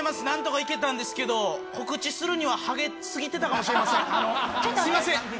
何とかいけたんですけど告知するには、ハゲすぎてたかもしれません。